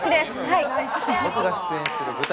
僕が出演する舞台